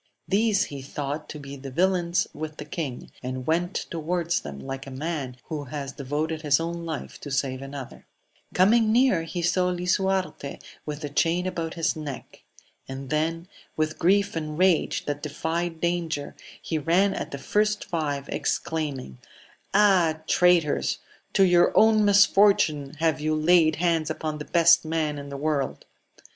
These he thought to be the villains with the king, and went towards them like a man who has devoted his own life to save another. Coming near, he saw Lisuarte with the chain about his neck ; and then, with grief and rage that defied danger, \ie x«a ^^»^^^^\»'«?^^^^ xiSssjasssas^^ AMADIS OF GAUL. 201 Ah, traitors ! to your own mMortune have you laid hands upon the best man in the world